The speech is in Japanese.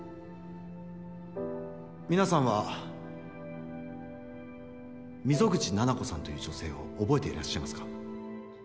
皆さんは溝口七菜子さんという女性を覚えていらっしゃいますか？